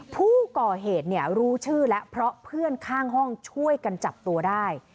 ผู้ก่อเหตุรู้ชื่อแล้วเพราะเพื่อนข้างห้องช่วยกันจับตัวได้